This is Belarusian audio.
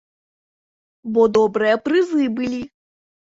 Бо добрыя прызы былі.